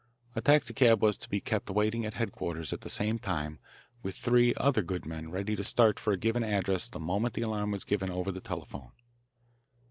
A taxicab was to be kept waiting at headquarters at the same time with three other good men ready to start for a given address the moment the alarm was given over the telephone.